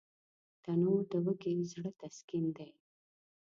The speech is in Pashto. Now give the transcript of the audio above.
تنور د وږي زړه تسکین دی